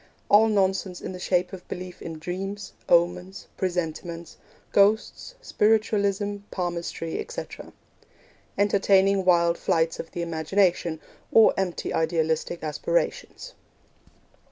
All nonsense in the shape of belief in dreams, omens, presentiments, ghosts, spiritualism, palmistry, etc. Entertaining wild flights of the imagination, or empty idealistic aspirations.